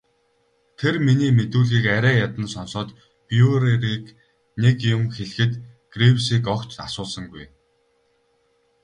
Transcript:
Тэр миний мэдүүлгийг арай ядан сонсоод Бруерыг нэг юм хэлэхэд Гривсыг огт асуусангүй.